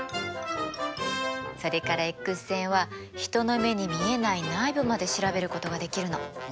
それからＸ線は人の目に見えない内部まで調べることができるの。